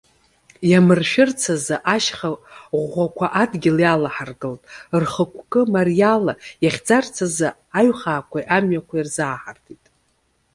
Иамыршәырц азы, ашьха ӷәӷәақәа адгьыл иалаҳаргылт, рхықәкы мариала иахьӡарц азгьы аҩхаақәеи амҩақәеи рзааҳартит.